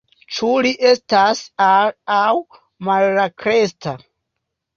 Ĉu li estas alt- aŭ malaltkreska?